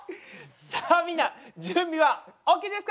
さあみんな準備はＯＫですか？